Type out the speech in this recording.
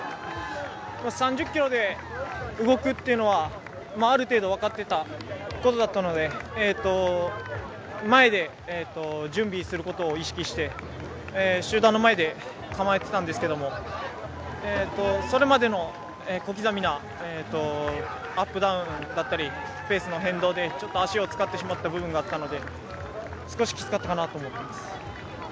３０ｋｍで動くっていうのはある程度、分かってたことだったので前で準備することを意識して、集団の前で構えてたんですけどそれまでの小刻みなアップダウンだったり、ペースの変動で足を使ってしまった部分があったので、少し、きつかったかなと思っています。